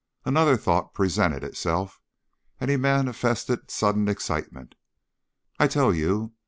Another thought presented itself, and he manifested sudden excitement. "I tell you!